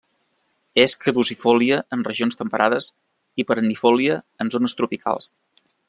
És caducifòlia en regions temperades, i perennifòlia en zones tropicals.